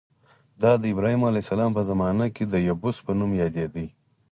دا د ابراهیم علیه السلام په زمانه کې د یبوس په نوم یادېده.